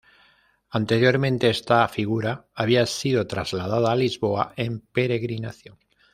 Anteriormente esta figura había sido trasladada a Lisboa en peregrinación.